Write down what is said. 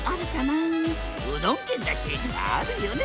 うどん県だしあるよね！